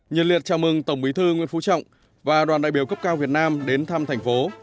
nhân liệt chào mừng tổng bí thư nguyễn phú trọng và đoàn đại biểu cấp cao việt nam đến thăm thành phố